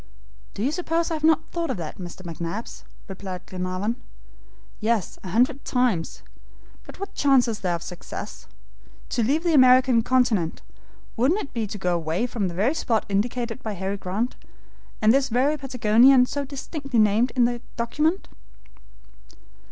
"Do you suppose that I have not thought of that, Mr. McNabbs?" replied Glenarvan. "Yes, a hundred times. But what chance is there of success? To leave the American continent, wouldn't it be to go away from the very spot indicated by Harry Grant, from this very Patagonia so distinctly named in the document."